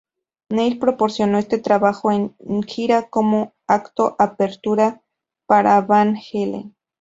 Neil promocionó este trabajo en gira como acto apertura para Van Halen.